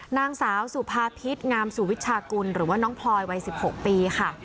นางสาวสุภาพิษงามสุวิชากุลหรือว่าน้องพลอยวัย๑๖ปีค่ะ